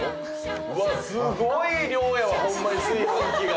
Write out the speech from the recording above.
うわっすごい量よホンマに炊飯器が。